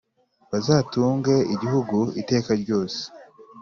bazatunge igihugu iteka ryose.